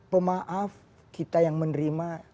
pemaaf kita yang menerima